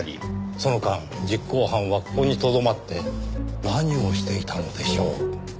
その間実行犯はここにとどまって何をしていたのでしょう。